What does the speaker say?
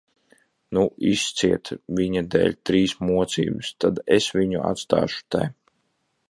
Nu, izciet viņa dēļ trīs mocības, tad es viņu atstāšu te.